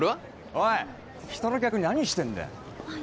おい人の客に何してんだよあっ